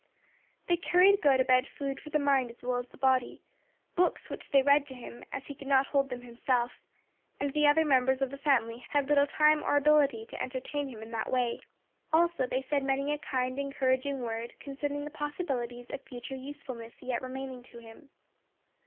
They carried to Gotobed food for the mind as well as the body; books which they read to him; as he could not hold them himself, and the other members of the family had little time or ability to entertain him in that way. Also they said many a kind, encouraging word concerning the possibilities of future usefulness yet remaining to him.